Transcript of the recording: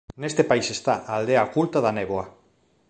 Neste país está a Aldea Oculta da Néboa.